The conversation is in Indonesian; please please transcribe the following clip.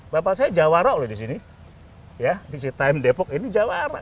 bapak saya jawara loh disini ya di time depok ini jawara